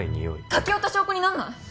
駆け寄った証拠になんない？